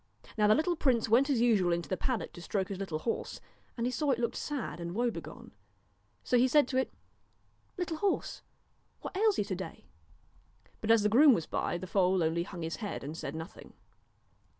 Now the little prince went as usual into the pad dock to stroke his little horse, and he saw that it looked sad and woebegone. So he said to it :' Little horse ! what ails you to day ?' but as the groom was by, the foal only hung his head and said nothing.